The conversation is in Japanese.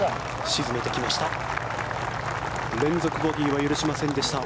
沈めてきました。